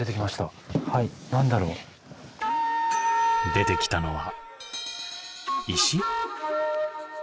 出てきたのは石？